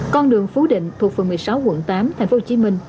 con đường phú định thuộc phường một mươi sáu quận tám thành phố hồ chí minh